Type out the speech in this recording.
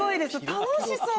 楽しそう！